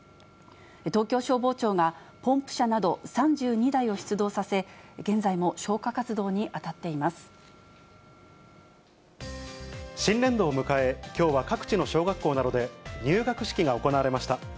東京消防庁がポンプ車など３２台を出動させ、現在も消火活動に当新年度を迎え、きょうは各地の小学校などで入学式が行われました。